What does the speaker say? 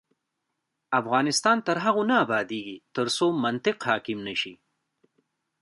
افغانستان تر هغو نه ابادیږي، ترڅو منطق حاکم نشي.